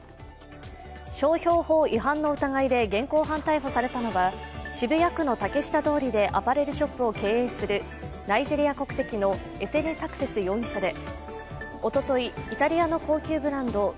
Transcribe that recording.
商標法違反の疑いで現行犯逮捕されたのは渋谷区の竹下通りでアパレルショップを経営するナイジェリア国籍のエセネ・サクセス容疑者でおととい、イタリアの高級ブランド